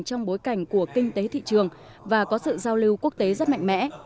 trong bối cảnh của kinh tế thị trường và có sự giao lưu quốc tế rất mạnh mẽ